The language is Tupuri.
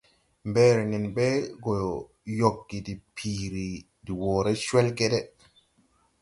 Mbɛɛrɛ nen ɓɛ gɔ yɔgge de piiri de wɔɔrɛ cwɛlgɛdɛ.